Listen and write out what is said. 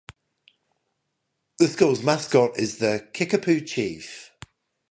The school's mascot is the "Kickapoo Chief".